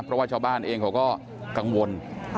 เพราะว่าชาวบ้านเองเขาก็กังวล